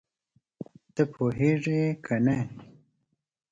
ته پوهېږې که نه؟